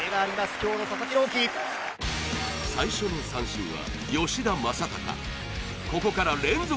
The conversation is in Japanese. きょうの佐々木朗希最初の三振は吉田正尚